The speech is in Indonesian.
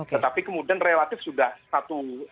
tetapi kemudian relatif sudah satu